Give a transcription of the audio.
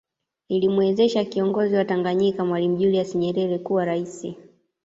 Ilimwezesha kiongozi wa Tanganyika Mwalimu Julius Nyerere kuwa rais